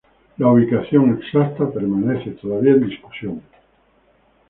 La ubicación exacta permanece todavía en discusión.